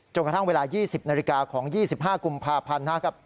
จนกระทั่งเวลา๒๐นาฬิกาของ๒๕กุมภาพันธ์